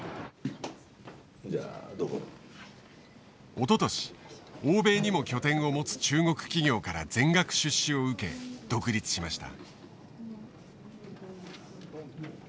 おととし欧米にも拠点を持つ中国企業から全額出資を受け独立しました。